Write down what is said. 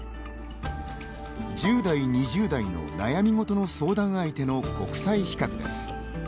１０代２０代の悩み事の相談相手の国際比較です。